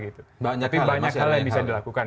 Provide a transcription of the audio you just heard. tapi banyak hal yang bisa dilakukan